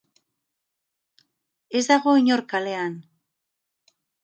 Ez dago inor kalean.